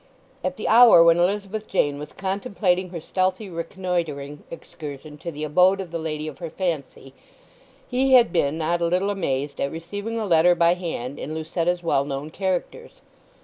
At the hour when Elizabeth Jane was contemplating her stealthy reconnoitring excursion to the abode of the lady of her fancy, he had been not a little amazed at receiving a letter by hand in Lucetta's well known characters.